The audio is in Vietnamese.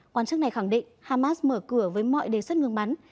quan chức này khẳng định hamas mở cửa với mọi đề xuất ngừng bắn